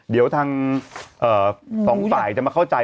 เดี๋ยวทางสองฝ่ายจะมาเข้าใจ